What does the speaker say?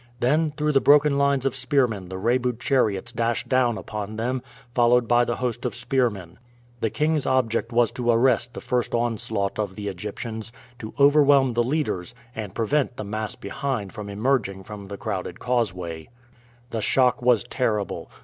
Then through the broken lines of spearmen the Rebu chariots dashed down upon them, followed by the host of spearmen. The king's object was to arrest the first onslaught of the Egyptians, to overwhelm the leaders, and prevent the mass behind from emerging from the crowded causeway. The shock was terrible.